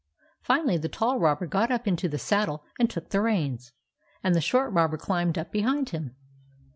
Finally, the tall robber got up into the saddle and took the reins, and the short robber climbed up behind him.